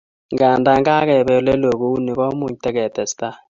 kanda kakebee oleloo kuni komuch tigetesetai